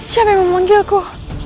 siapa yang memanggilku